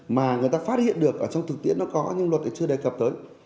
mà người ta phát hiện được trong thực tiễn nó có nhưng luật chưa đề cập tới